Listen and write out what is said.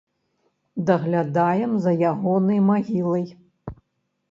Даглядаем за ягонай магілай.